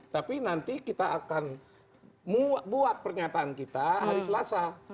tapi nanti kita akan buat pernyataan kita hari selasa